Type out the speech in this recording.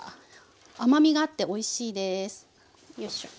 甘みがあっておいしいですよいしょ。